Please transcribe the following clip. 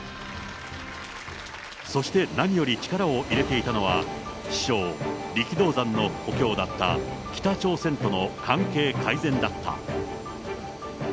そして何より力を入れていたのは、師匠、力道山の故郷だった北朝鮮との関係改善だった。